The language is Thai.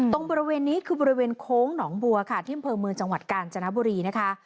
ตรงบริเวณนี้คือบริเวณโค้งหนองบัวค่ะที่อำเภอเมืองจังหวัดกาญจนบุรีนะคะ